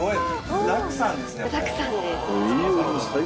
具だくさんです。